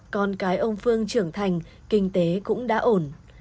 con cái ông phương trưởng thành kinh tế cũng đã ổn